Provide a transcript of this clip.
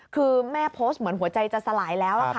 คือแม่โพสต์เหมือนหัวใจจะสลายแล้วค่ะ